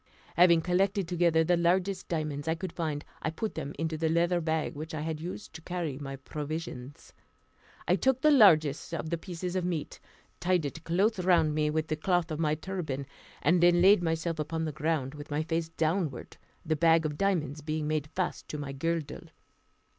Having collected together the largest diamonds I could find, I put them into the leather bag in which I used to carry my provisions, I took the largest of the pieces of meat, tied it close round me with the cloth of my turban, and then laid myself upon the ground, with my face downward, the bag of diamonds being made fast to my girdle.